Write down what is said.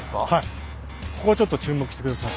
ここちょっと注目して下さい。